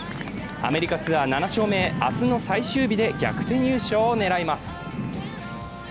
アメリカツアー７勝目へ、明日の最終日で逆転優勝を狙います。